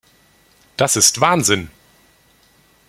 Das ist Wahnsinn!